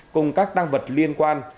cùng các tăng vật liên quan